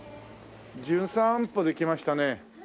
『じゅん散歩』で来ましたね